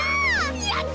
やった！